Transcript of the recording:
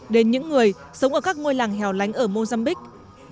đến những người sống ở các ngôi làng hẻo lánh ở mozambique